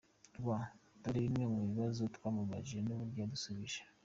rw, dore bimwe mu bibazo twamubajije n’uburyo yadusubije.